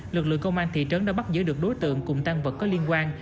lực lượng công an thị trấn đã bắt giữ được đối tượng cùng tăng vật có liên quan